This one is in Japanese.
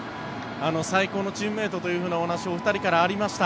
最高のチームメートというお話がありました。